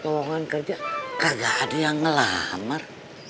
kebohongan kerja kagak ada yang ngelamar